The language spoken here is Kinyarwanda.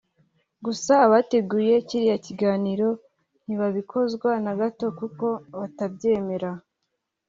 gusa abateguye kiriya kiganiro ntibabikozwa na gato kuko batabyemera